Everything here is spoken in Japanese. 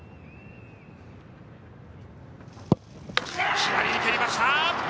左に蹴りました。